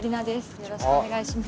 よろしくお願いします。